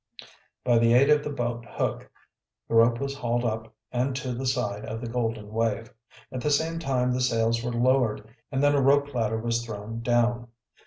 By the aid of the boat hook the rope was hauled up and to the side of the Golden Wave. At the same time the sails were lowered, and then a rope ladder was thrown down.